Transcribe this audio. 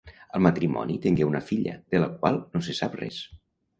El matrimoni tingué una filla, de la qual no se sap res.